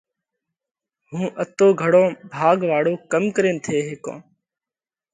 هُون اتو گھڻو ڀاڳ واۯو ڪم ڪرينَ ٿي هيڪونه؟